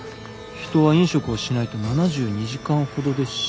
人は飲食をしないと７２時間ほどで死ぬ。